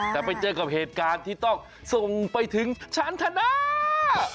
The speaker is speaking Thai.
แต่ไปเจอกับเหตุการณ์ที่ต้องส่งไปถึงชั้นธนา